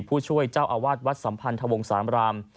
ผู้ช่วยเจ้าอาวาสวัดสัมพันธวงสามราม